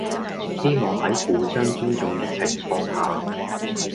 希望喺互相尊重嘅情況下